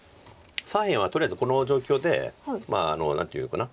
左辺はとりあえずこの状況でまあ何というのかな。